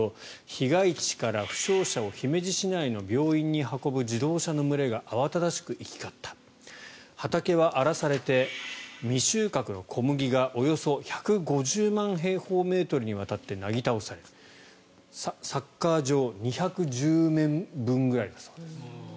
被害地から負傷者を姫路市内の病院に運ぶ自動車の群れが慌ただしく行き交った畑は荒らされて未収穫の小麦がおよそ１５０万平方メートルにわたってなぎ倒されたサッカー場２１０面分ぐらいです。